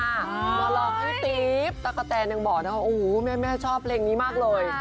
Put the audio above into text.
มารอบที่ตี๊บตากะแตนยังบอกนะโอ้แม่ชอบเพลงนี้มากเลย